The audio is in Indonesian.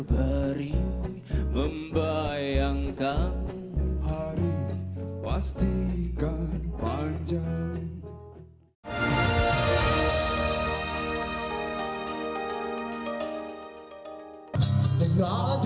beri membayangkan hari pastikan panjang